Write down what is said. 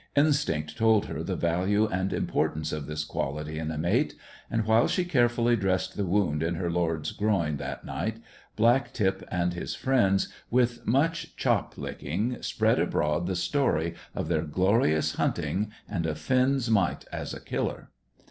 Instinct told her the value and importance of this quality in a mate. And while she carefully dressed the wound in her lord's groin that night, Black tip and his friends, with much chop licking, spread abroad the story of their glorious hunting and of Finn's might as a killer.